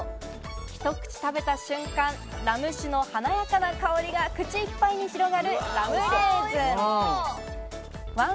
ひと口食べた瞬間、ラム酒の華やかな香りが口いっぱいに広がるラムレーズン。